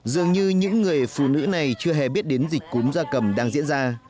dường như những người phụ nữ này chưa hề biết đến dịch cúm da cầm đang diễn ra